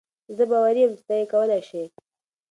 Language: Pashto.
زۀ باوري يم چې تۀ یې کولای شې.